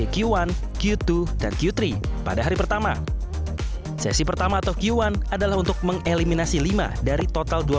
q satu q dua dan q tiga pada hari pertama sesi pertama atau q satu adalah untuk mengeliminasi lima dari total dua